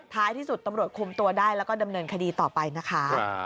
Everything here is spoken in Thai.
ท้ายที่สุดตำรวจคุมตัวได้แล้วก็ดำเนินคดีต่อไปนะคะ